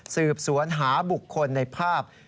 สืบสวนหาบุคคลในภาพ